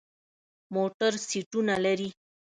موټر سیټونه لري.